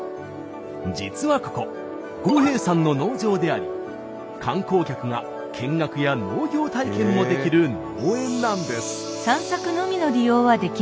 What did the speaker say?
実はここ五兵衛さんの農場であり観光客が見学や農業体験もできる農園なんです。